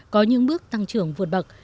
có những bước tăng trưởng vượt bậc